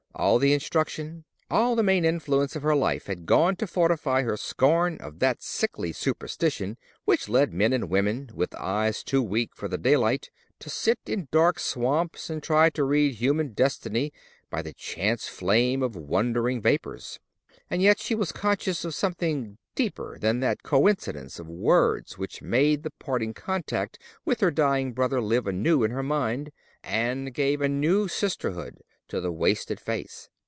All the instruction, all the main influences of her life had gone to fortify her scorn of that sickly superstition which led men and women, with eyes too weak for the daylight, to sit in dark swamps and try to read human destiny by the chance flame of wandering vapours. And yet she was conscious of something deeper than that coincidence of words which made the parting contact with her dying brother live anew in her mind, and gave a new sisterhood to the wasted face.